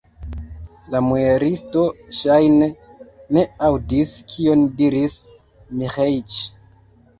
La muelisto, ŝajne, ne aŭdis, kion diris Miĥeiĉ.